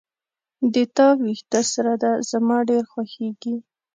د تا وېښته سره ده زما ډیر خوښیږي